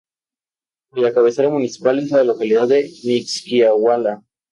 Cuya cabecera municipal es la localidad de Mixquiahuala.